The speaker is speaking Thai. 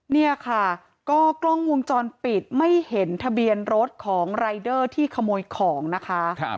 เนี่ยค่ะก็กล้องวงจรปิดไม่เห็นทะเบียนรถของรายเดอร์ที่ขโมยของนะคะ